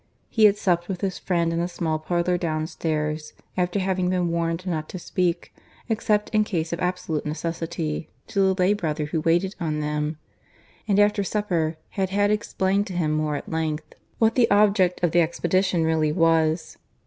He had supped with his friend in a small parlour downstairs, after having been warned not to speak, except in case of absolute necessity, to the lay brother who waited on them; and after supper had had explained to him more at length what the object of the expedition really was.